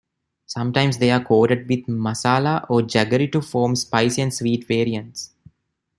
Sometimes they are coated with masala or jaggery to form spicy and sweet variants.